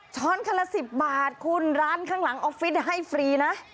คันละ๑๐บาทคุณร้านข้างหลังออฟฟิศให้ฟรีนะ